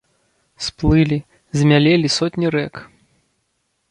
Сплылі, змялелі сотні рэк.